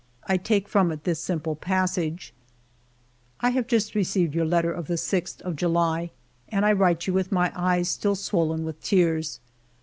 I take from it this simple passage :—" I have just received your letter of the 6th of July, and I write you with my eyes still swollen with tears.